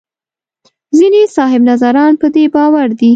ځینې صاحب نظران په دې باور دي.